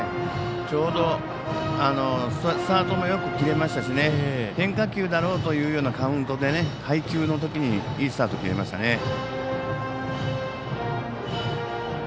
ちょうどスタートもよく切れましたし変化球だろうというようなカウントで配球のときにいいスタート切れましたね。